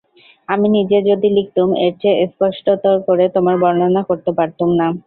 আমি নিজে যদি লিখতুম, এর চেয়ে স্পষ্টতর করে তোমার বর্ণনা করতে পারতুম না।